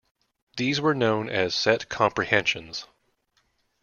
These were known as set comprehensions.